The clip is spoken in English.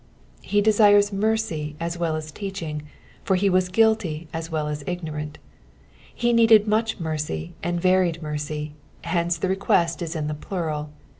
He desires tn^e;^ as well as teaching, for he was guilty as well as ignorant. He needed much mercy and varied mercy, hence the request is in tne plural.